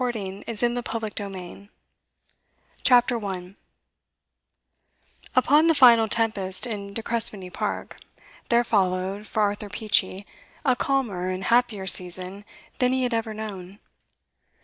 Part VI: A Virtue of Necessity CHAPTER 1 Upon the final tempest in De Crespigny Park there followed, for Arthur Peachey, a calmer and happier season than he had ever known.